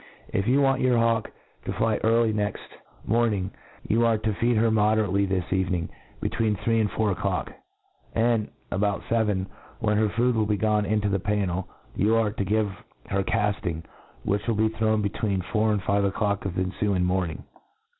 If you want your hawk to fly early next y morningi 154 A TREATISE OF morning, you ?irc to feed her moderately this evening between three and four o'clock ; and, about feven, when her food will be gone into the panncl, you are to give her cafting, which will be thrown between four and five o'clock of the ' cnfuing morning.